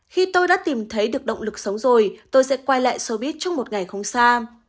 khi tôi đã tìm thấy được động lực xấu rồi tôi sẽ quay lại sobit trong một ngày không xa